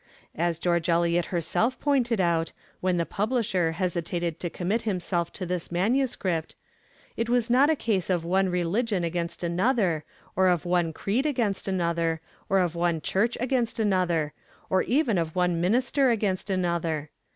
As George Eliot herself pointed out, when the publisher hesitated to commit himself to this manuscript, it was not a case of one religion against another, or of one creed against another, or of one church against another, or even of one minister against another.